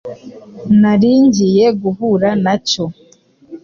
nari ngiye guhura na cyo.